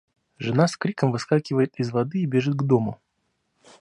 Жена с криком выскакивает из воды и бежит к дому.